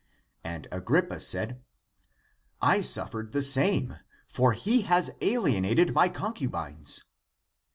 And Agrippa said, " I suffered the same, for he has alienated my concubines."